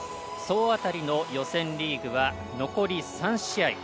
総当たりの予選リーグは残り３試合。